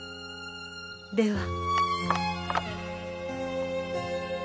では。